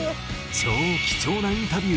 超貴重なインタビュー